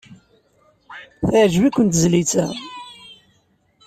Teɛjeb-iken tezlit-a?